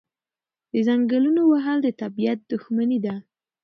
د ځنګلونو وهل د طبیعت دښمني ده.